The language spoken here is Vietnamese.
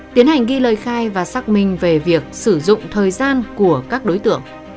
tiến hành ghi lời khai và xác minh về việc sử dụng thời gian của các đối tượng